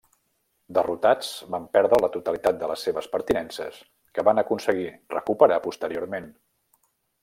Derrotats van perdre la totalitat de les seves pertinences que van aconseguir recuperar posteriorment.